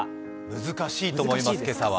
難しいと思います、今朝は。